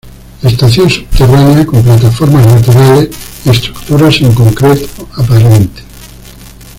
Estación subterránea con plataformas laterales y estructuras en concreto aparente.